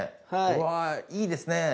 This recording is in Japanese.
うわぁいいですね。